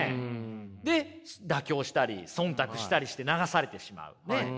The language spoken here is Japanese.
で妥協したりそんたくしたりして流されてしまうねっ。